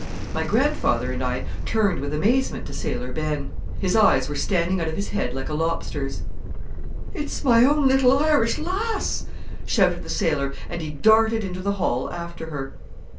My grandfather and I turned with amazement to Sailor Ben. His eyes were standing out of his head like a lobster's. "It's my own little Irish lass!" shouted the sailor, and he darted into the hall after her.